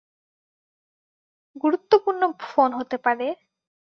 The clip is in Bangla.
গুরুত্বপূর্ণ ফোন হতে পারে।